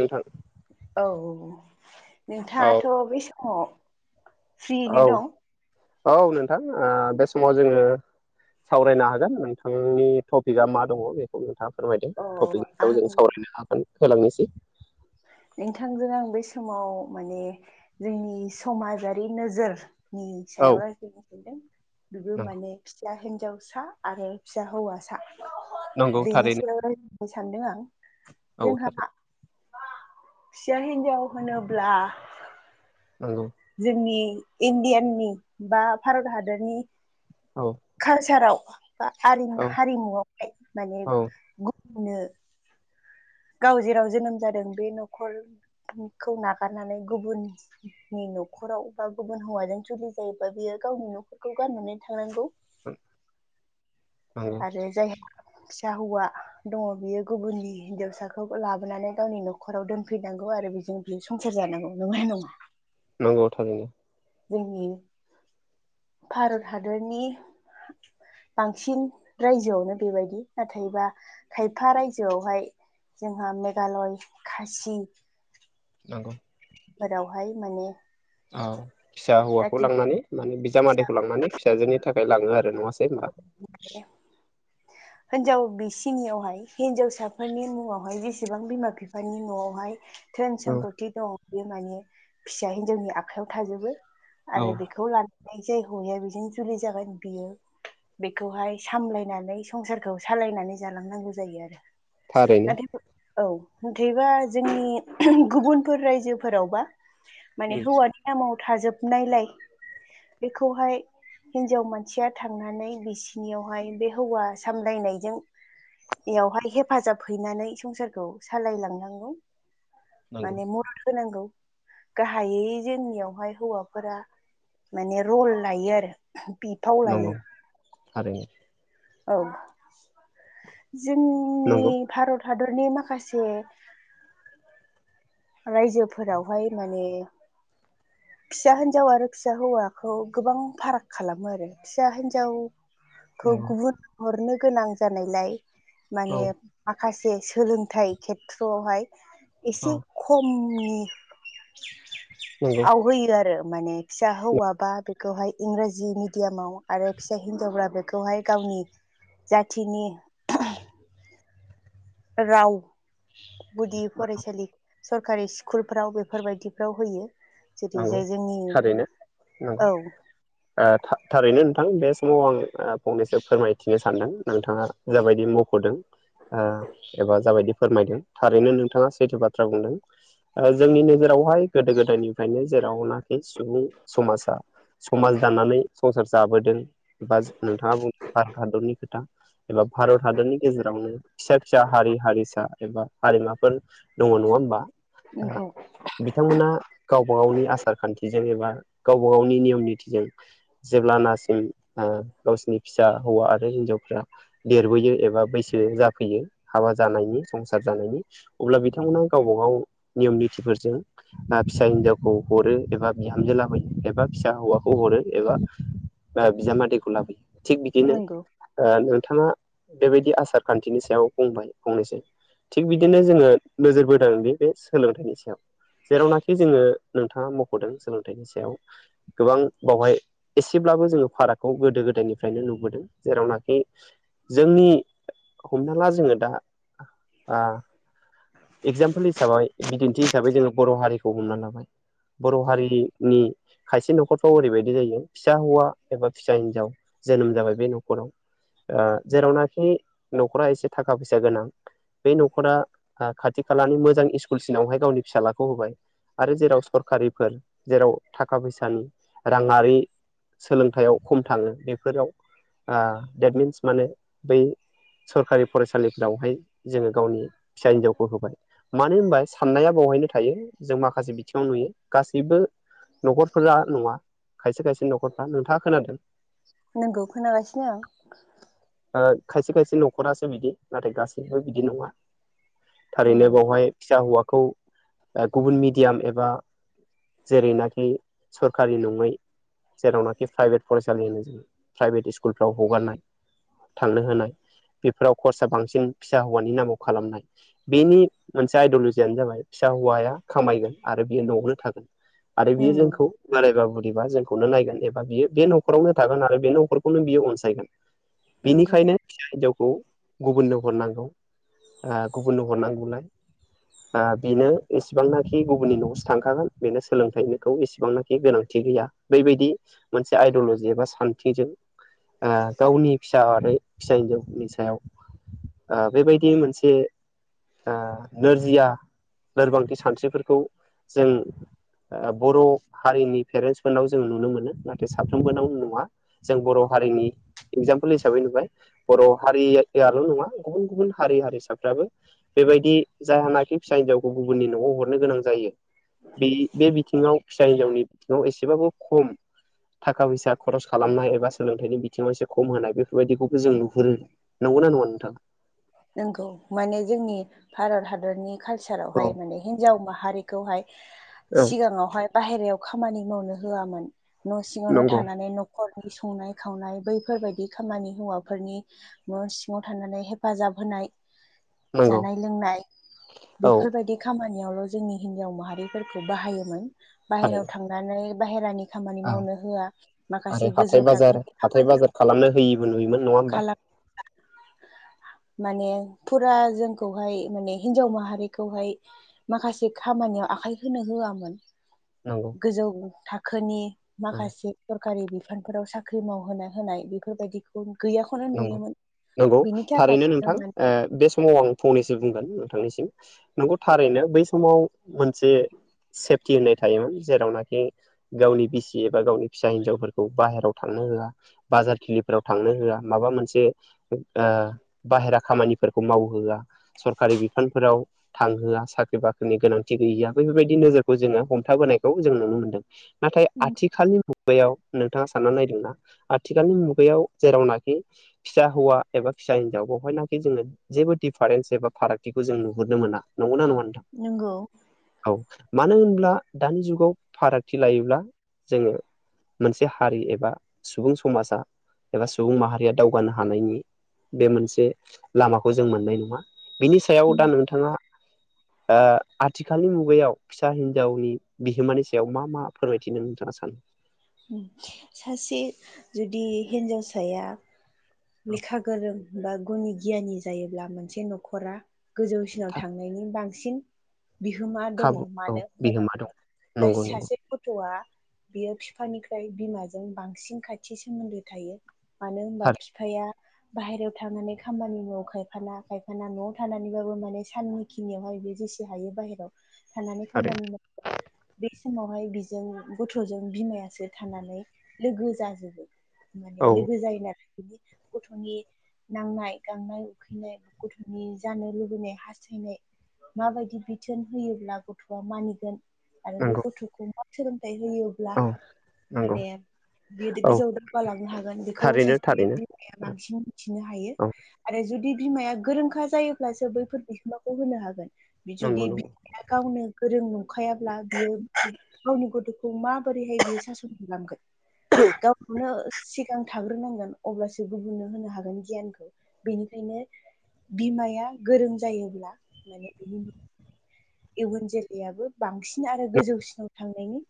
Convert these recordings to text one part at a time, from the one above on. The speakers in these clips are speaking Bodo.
नोंथां औ औ नोंथाङाथ' बे समाव फ्रियैनो औ दं औ नोंथां ओ बे समाव जोङो सावरायनो हागोन नोंथांनि टपिकआ मा दङ बे नोंथाङा फोरमायदों अ टपिक हिसाबै आं जों सावरायनो होलांनोसै। नोंथांजों आं बे समाव माने जोंनि समाजारि नोजोर नि औ सायाव रायज्लायनो सानदों बेबो नंगौ माने सा हिनजावसा आरो फिसा हौवासा नंगौ बेनि थारैनो सायाव राय नों सानदों आं औ जोंहा थारैनो फिसा हिन्जाव होनोब्ला नंगौ जोंनि इण्डियाननि बा भारत हादरनि औ कालसाराव बा आरिमु औ हारिमुआवहाय माने औ गुबनो गाव जेराव जोनोम जादों बे न'खरखौ नागारनानै गुबुन नि न'खराव बा गुबुन हौवाजों जुलि जायोबा बियो गावनि न'खरखौ गारनानै थांनांगौ। औ आरो जाय सा हौवा दङ बियो गुबुननि हिनजावसाखौ लाबोनानै गावनि न'खराव दोनफैनांगौ आरो बेजों बियो संसार जानांगौ नंगौना नङा? नंगौ थारैनो। जोंनि भारत हादरनि बांसिन रायजोआवनो बेबायदि नाथायबा खायफा रायजोआवहाय जोंहा मेघालय खासि नंगौ फोरावहाय माने औ फिसा हौवाखौ जाथि लांनानै माने फिसा बिजामादैखौ लांनानै फिसाजोनि थाखाय लाङो आरो नङासै होनबा? [unintelligible] हिनजाव बिसिनियावहाय हिनजावसाफोरनि मुङावहाय जेसेबां बिमा बिफानि न'आवहाय धोन औ सम्पत दं बे माने फिसा हिनजावनि आखाइयाव थाजोबो। आरो औ बेखौ लानानै जाय हौवाया बेजोंनो जुलि जागोन बियो बेखौहाय सामलायनानै संसारखौ सालायनानै जालांनांगौ जायो आरो‌। थारैनो नाथाय औ मथेबा जोंनि गुबुनफोर रायजोफोरावबा माने उम हौवानि नामाव थाजोबनायलाय बेखौहाय हिनजाव मानसिया थांनानै बिसिनियावहाय बे हौवा सामलायनायजों बेयावहाय हेफाजाब हैनानै संसारखौ सालाय लांनांगौ। नंगौ माने मदद होनांगौ। गाहाइयै जोंनियावहाय हौवाफोरा माने रल लायो आरो। बिफाव लायो। आरो औ जोंनि नंगौ भारत हादरनि माखासे रायजोफोरावहाय माने फिसा हिनजाव आरो फिसा हौवाखौ गोबां फाराग खालामो आरो। फिसा हिन्जाव खौ नंगौ गुबुन हरनो गोनां जानायलाय औ माने माखासे सोलोंथाइ खेथ्रआवहाय औ एसे खमनि नंगौ आव होयो आरो माने। फिसा हौवाबा बेखौहाय इंराजि मिडियामाव आरो फिसा हिनजावफ्रा बेखौहाय गावनि जाथिनि [inaudible] राव गुदि फरायसालि सरकारि स्कुलफ्राव बेफोरबायदिफ्राव होयो। नंगौ जेरैजाय जोंनि थारैनो नंगौ औ। थारैनो नोंथां बे समाव आं फंनैसो फोरमायथिनो सानदों। नोंथाङा जाबायदि मख'दों ओ एबा जाबायदि फोरमायदों थारैनो नोंथाङा सैथो बाथ्रा बुंदों जोंनि नोजोरावहाय गोदो गोदायनि ओंखायनो जेरावनाखि सुबुंनि समाजा समाज दाननानै संसार जाबोदों। बा नोंथाङा बुंदों भारत हादरनि खोथा एबा भारत हादरनि गेजेरावनो फिसा फिसा हारि हारिसा एबा हारिमाफोर दङ नङा होमबा? नंगौ बिथांमोना गावबा गावनि आसार खान्थिजों एबा गावबा गावनि नियम निथिजों जेब्लानासिम गावसिनि फिसा हौवा आरो हिन्जावफ्रा देरबोयो एबा बैसो जाफैयो हाबा जानायनि संसार जानायनि अब्ला बिथांमोना गावबा गाव नियम नितिफोरजों फिसा हिनजावखौ हरो एबा बिहामजो लाबोयो एबा फिसा हौवाखौ हरो एबा बिजामादैखौ लाबोयो। थिग बिदिनो नंगौ नोंथाङा बे बायदि आसार खान्थिनि सायाव बुंबाय फंनैसो थिग बिदिनो जोङो नोजोरबोदों बे बे सोलोंथाइनि सायाव जेरावनाखि जोङो नोंथाङा मख'दों सोलोंथाइनि सायाव गोबां बावहाय एसेब्लाबो जोङो फारागखौ गोदो गोदायनिफ्रायनो नुबोदों। जेरावनाखि जोंनि हमना ला जोङो दा एगजामपोल हिसाबै बिदिन्थि हिसाबै जोङो बर' हारिखौ हमना लाबाय बर' हारिनि खायसे न'खरफ्राव ओरैबायदि जायो फिसा हौवा एबा फिसा हिनजाव जोनोम जाबाय बे न'खराव ओ‌ जेरावनाखि न'खरा एसे थाखा फैसा गोनां बे न'खरा ओ खाथि खालानि मोजां स्कुलसिनावहाय गावनि फिसालाखौ होबाय आरो जेराव सरकारिफोर जेराव थाखा फैसानि राङारि सोलोंथाइयाव खम थाङो बेफोराव ओ देट मिन्स माने बै सरखारि फरायसालिफ्रावहाय जोङो गावनि फिसा हिन्जावखौ होबाय। मानो होनबा साननाया बेवहायनो थायो जों माखासे बिथिङाव नुयो गासैबो न'खरफोरा नङा, खायसे खायसे न'खरफ्रा नोंथाङा खोनादों नोंगौ खोनागासिनो आं। [inaudible] खायसे खायसे न'खरासो बिदि नाथाय गासैबो बिदि नङा। थारैनो नंगौ बेावहाय फिसा हौवाखौ गुबुन मिडियाम एबा जेरैनाखि सरकारि नङै जेरावनाखि प्राइभेट फरायसालियानो जोंङो प्राइभेट स्कुलफ्राव हगारनाय थांनो होनाय बेफोराव खरसा बांसिन फिसा हौवानि नामाव खालामनाय बेनि मोनसे आइडलजियानो जाबाय फिसा हौवाया खामायगोन आरो बियो न'आवनो थागोन। आरो बियो नंगौ जोंखौ बोरायबा बुरिबा जोंखौनो नायगोन एबा बियो बे न'खरावनो थागोन आरो बे न'खर खौनो बियो अनसायगोन नंगौ बिनिखायनो फिसा हिन्जावखौ गुबुननो हरनांगौ ओ गुबुननो हरनांगौलाय ओ बेनो एसेबांनाखि गुबुननि न'आवसो थांखागोन बेनो सोलोंथाइखौ इसेबांनाखि गोनांथि गैया बेबायदि मोनसे आइडअलजि एबा सान्थिजों ओ गावनि फिसा आरो फिसा हिन्जावनि सायाव ओ बेबायदि मोनसे ओ‌ नोरजिया लोरबांथि सानस्रिफोरखौ जों बर' हारिनि पेरेन्सफोरनाव जों नुनो मोनो नाथाय साफ्रोमबोनाव नुङा जों बर' हारिनि एगजामपोल हिसाबै नुबाय बर' हारियाल' नङा गुबुन गुबुन हारि हारिसाफ्राबो बेबायदि जायहानाखि फिसा हिन्जावखौ गुबुननि न'आव हरनो गोनां जायो। बे बे बिथिङाव फिसा हिनजावनि बिथिङाव एसेबाबो खम थाखा फैसा खरस खालामनाय एबा सोलोंथाइनि बिथिङाव एसे खम होनाय बेफोरबायदिखौबो जों नुहुरो। नौ ना नङा नोंथां? नंगौ माने जोंनि भारत हादरनि औ कालचारावहाय माने हिनजाव माहारिखौहाय औ सिगाङावहाय बाहेरायाव खामानि मावनो होआमोन। न' सिङावनो नंगौ थानानै न खरनि संनाय खावनाय बैफोरबायाददि खामानि हौवाफोरनि सिङाव थानानै हाय फाजाब होनाय नंगौ जानाय लोंनाय औ बेफोरबायदि खामानियावल' जोंनि हिजाव माहारिफोरखौ बाहायोमोन बाहेराव थारैनो थांनानै बाहेरानि खामानि औ मावनो होआ, आरो माखासे हाथाय गोजौ बाजार थाखोनि हाथाय खामानि बाजार खालामनो होयैबो नुयोमोन नङा होमबा? [inaudible] [unintelligible] माने फुरा जोंखौहाय माने हिनजाव माहारिखौहाय माखासे खामानियाव आखाइ होनो होआमोन। नंगौ। गोजौ थाखोनि औ माखासे सरखारि बिफानफोराव साख्रि मावहोनाओ होनाय बेफोरबायदिखौ गैया नंगौ-नंगौ थारैनो नोंथां ओ बे समाव आं फंनैसो बुंगोन नोंथांनिसिम, नंगौ थारैनो, बै समाव मोनसे सेफटि होननाय थायोमोन जेरावनाखि गावनि बिसि एबा गावनि फिसा हिन्जावफोरखौ बाहेराव थांनो होआ, बाजार थिलिफोराव थांनो होआ, माबा मोनसे ओ बाहेरा खामानिफोरखौ मावहोआ, सरकारि बिफानफोराव, थांहोआ साख्रि बाख्रिनि गोनांथि गैैया बेफोरबायदि नोजोरखौ जोङो हमथाबोनायखौ जों नुनो मोनदों। नाथाय माने आथिखालनि मुगायाव नोंथाङा साननानै नायदोंना आथिखालनि मुगायाव जेरावना खि फिसा हौवा एबा फिसा हिनजाव बेवहायनाखि जोङो जेबो दिफारेन्स एबा फारागथिखौ जों नुहुरनो मोना नंगौना नङा? नोंथां नोंगौ। औ मानो होनब्ला दानि जुगाव फारागथि लायोब्ला जोङो मोनसे हारि एबा सुबुं समाजा एबा सुबुं माहा रि दावगानो हानायनि बे मोनसे लामाखौ जों मोननाय नङा। बेनि सायाव दा नोंथाङा ओ आथिखालनि मुगायाव फिसा हिनजावनि बिहोमानि सायाव मा मा फोरमायथिनो नोंथाङा सानो? सासे जुदि हिन्जावसाया लेखा गोरों बा गुनि गियानि जायोब्ला मोनसे न'खरा गोजौसिनाव थांनायनि बांसिन बिहोमा दङ। खाबु औ मानो होनबा दा बिहोमा दं दा नंगौ नंगौ सासे गथ'आ बेयो बिफानिफ्राय बिमाजों बांसिन खाथि सोमोन्दो थायो। मानो होनबा थारै बिफाया बाहेरायाव थांनानै खामानि मावो खायफाना खायफाना न'आव थानानैबाबो माने साननि खिनियावहाय बे जेसे हायो बाहेरायाव थानानै थारै खामानि मावो, बे समावहाय बिजों गथ'जों बिमाया सो थानानै लोगो जाजोबो माने औ लोगो जायो आरो गथ'नि नांनाय गांनाय उखैनाय गथ'नि जानो लुबैनाय हास्थायनाय माबायदि बिथोन होयोब्ला गथ'आ मानिगोन आरो बे नंगौ गथ'खौ मा सोलोंथायाइ होयोब्ला औ नंगौ माने बि औ गोजौआव दावगालांनो हागोन बेखौ थारैनो सासे थारैनो लिरगिरि माया औ बांसिन मिथिनो हायो। औ आरो जुदि बिमाया गोरोंखा जायोब्लासो बैफोर बिहोमाखौ होनो हागोन नंगौ जुदि बि नंगौ गावनो गोरों नंखायाब्ला बियो गावनि गथ'खौ माबोरैहाय बियो स खालाम गावखौनो सिगां थाग्रोनांगोन अब्लासो गुबुननो होनो हागोन गियानखौ बेनिखायनो बिमाया गोरों जायोब्ला माने इयुन जोलैयाबो बांसिन आरो गोजौसिनाव थांनायनि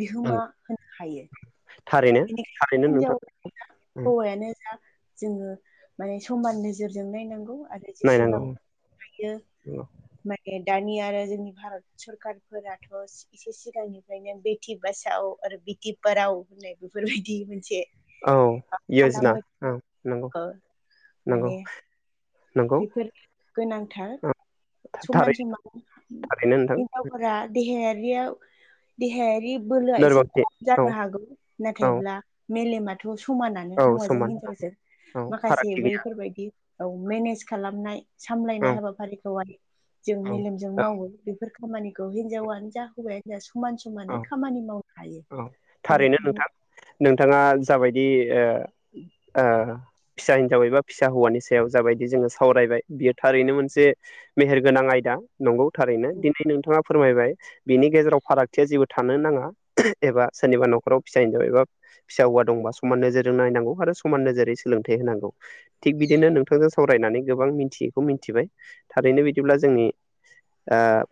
बिहोमा नंगौ होनो हायो थारैनो बेनिखायनो थारैनो नोंथां हिनजाव हौवायानो जा जोङो माने समान नोजोरजों नायनांगौ आरो। नायनांगौ जेसेबां हायो। माने दानि आरो जोंनि भारत सरकारफोराथ' एसे सिगांनिफ्रायनो बेटि बासाव आरो बेटि फाव होननाय बेफोरबायदि मोनसे औ यजना खालामबाय औ नंगौ नंगौ नंगौ बेफोरो गोनांथार समान थारै समान थारैनो नोंथां हिनजावफोरा देहायारियाव देहायारि बोलोआ एसे लोरबांथि खम औ जानो हागौ औ नाथायब्ला मेलेमाथ' समानानो औ हौवाजों समान हिनजावजों औ माखासे फारागथि गैया बैफोरबायदि औ मेनेज खालामनाय सामलायनाय औ हाबाफारिखौहाय जों औ मेलेमजों औ मावो बेफोर खामानिखौ हिनजावानो जा हौवायानो जा समान सम माने औ खामानि मावनो हायो औ थारैनो बेनिखायनो नोंथां नोंथाङा जाबायदि फिसा हिनजाबै एबा फिसा हौवानि सायाव जाबायदि जोङो सावरायबाय बियो थारैनो मोनसे मेहेरगोनां आयदा नंगौ थारैनो दिनै नोंथाङा फोरमायबाय बिनि गेजेराव फाराग खथिया जेबो थानो नाङा एबा सोरनिबा नखराव फिसा हिनजाव एबा फिसा हौवा दंबा समान नोजोरजों नायनांगौ आरो समान नोजोरै सोलोंथाइ होनांगौ। थिग बिदिनो नोंथांजों सावरायनानै गोबां मिथियैखौ मिथिबाय थारैनो बिदिब्ला जोंनि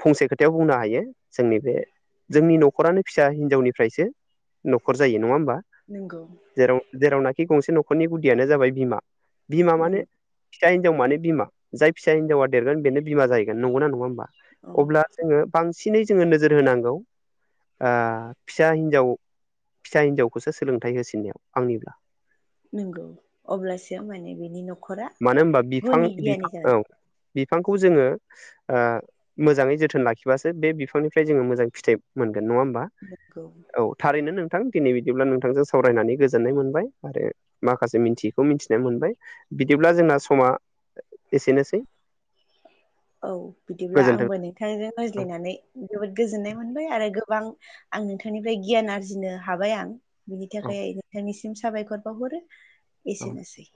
फंसे खोथायाव बुंनो हायो जोंनि बे जोंनि न'खरानो फिसा हिनजावनिफ्रायसो न'खर जायो नङा होमबा नंगौ जेराव जेरावनाखि गंसे न'खरनि गुदियानो जाबाय बिमा बिमा नों माने फिसा हिजावान बिमा जाय फसा हिजाव देरगोन बे बिमा जाहैगोन नङा होमबा। औ अब्ला जोङो बांसिनै जोङो नोजोर होनांगौ फिसा हिन्जाव फिसा हिनजावखौसो सोलोंथाइ होसिननायाव आंनिब्ला नंगौ अब्लासो माने बिनि न'खर मानो होनबा बिफां बिफां औ बिफांखौ जोङो मोजाङै जोथोन लाखिबासो बे बिफांनिफ्राय जोङो मोजां फिथाइ मोनगोन नङा होमबा नगौ। औ थारैनो नोंथां दिनै बिदिब्ला नोंथांजों सावरायनानै गोजोननाय मोनबाय आरो। माखासे मिथियैखौ मिथिनाय मोनबाय बिदिब्ला जोंना समा एसेनोसै गोजोन्थों। बिथांजों औ रायज्लायनानै जोबोद गोजोननाय मोनबाय आरो गोबां आं नोंथांनिफ्राय गियान आरजिनो हाबाय आं बिनि औ थाखाय आ नोंथांनिसिम साबायखर बावहरो औ एसेनोसै,